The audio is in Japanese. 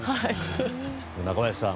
中林さん